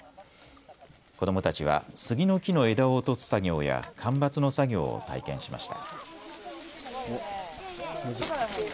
子どもたちは杉の木の枝を落とす作業や間伐の作業を体験しました。